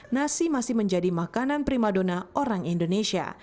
nasi masih menjadi makanan primadona orang indonesia